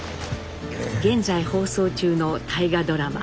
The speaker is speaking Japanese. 現在放送中の大河ドラマ